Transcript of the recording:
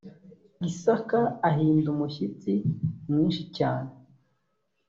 isaka ahinda umushyitsi mwinshi cyane